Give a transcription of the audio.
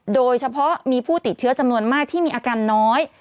โดยเฉพาะมีผู้ติดเชื้อจำนวนมากที่มีอาการน้อย